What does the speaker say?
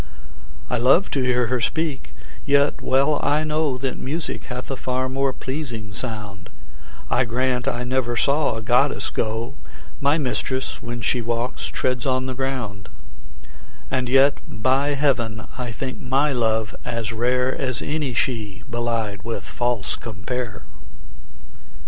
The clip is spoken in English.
I love to hear her speak, yet well I know That music hath a far more pleasing sound; I grant I never saw a goddess go; My mistress, when she walks, treads on the ground: And yet, by heaven, I think my love as rare As any she belied with false compare.